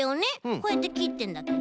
こうやってきってんだけど。